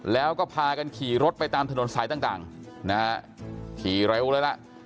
แล้วก็พากันขี่รถไปตามถนนสายต่างนะฮะขี่เร็วเลยล่ะ